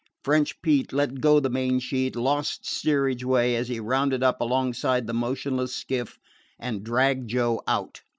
French Pete let go the main sheet, lost steerageway as he rounded up alongside the motionless skiff, and dragged Joe out.